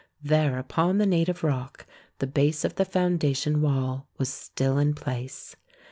There upon the native rock the base of the foundation wall was still in place.